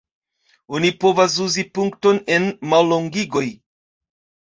Oni povas uzi punkton en mallongigoj.